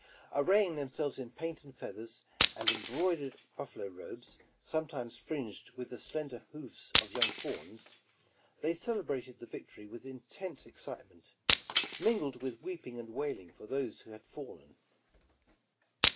Arraying themselves in paint and feathers, and embroidered buffalo robes some times fringed with the slender hoofs of young fawns, they celebrated the victory with intense excitement, mingled with weeping and wailing for those who had fallen.